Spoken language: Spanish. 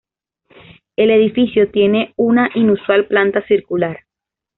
El edificio tiene una inusual planta circular.